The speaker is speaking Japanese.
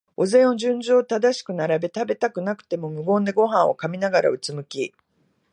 お膳を順序正しく並べ、食べたくなくても無言でごはんを噛みながら、うつむき、